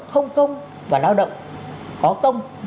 không công và lao động có công